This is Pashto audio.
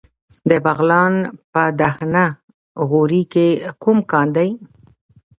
د بغلان په دهنه غوري کې کوم کان دی؟